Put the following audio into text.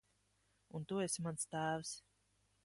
Un tu esi mans tēvs.